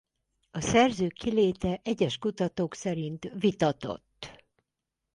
A szerző kiléte egyes kutatók szerint vitatott.